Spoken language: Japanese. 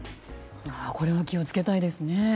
これは気を付けたいですね。